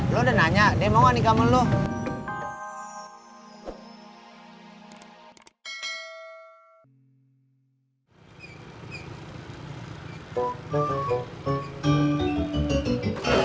lo udah nanya deh mau gak nikah sama lo